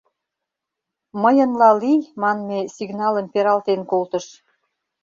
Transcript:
Мыйынла лий!» манме сигналым пералтен колтыш.